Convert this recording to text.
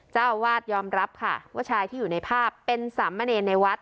เจ้าอาวาสยอมรับค่ะว่าชายที่อยู่ในภาพเป็นสามเณรในวัด